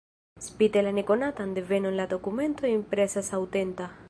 Spite la nekonatan devenon la dokumento impresas aŭtenta.